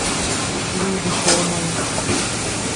Лӱдӹш омын!